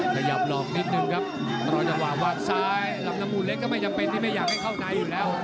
ขยับหลอกนิดนึงครับรอจังหวะวางซ้ายลำน้ำมูลเล็กก็ไม่จำเป็นที่ไม่อยากให้เข้าในอยู่แล้ว